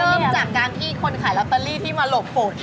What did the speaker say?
เริ่มจากการที่คนขายลอตเตอรี่ที่มาหลบฝน